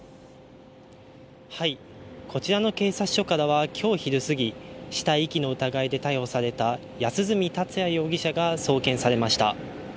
こちらの警察署からは今日昼過ぎ、死体遺棄の疑いで逮捕された安栖達也容疑者が送検されました。